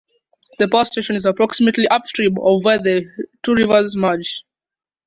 The power station is approximately upstream of where the two rivers merge.